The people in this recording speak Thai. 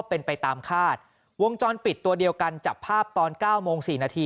เป็นไปตามคาดวงจรปิดตัวเดียวกันจับภาพตอนเก้าโมงสี่นาที